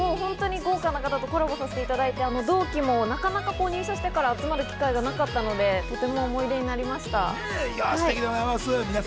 豪華な方とコラボさせていただいて、同期もなかなか集まることがないのでいい思い出になりました。